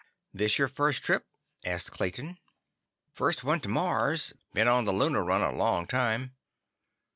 "This your first trip?" asked Clayton. "First one to Mars. Been on the Luna run a long time."